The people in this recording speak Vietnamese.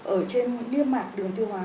ở trên liên mạc đường tiêu hóa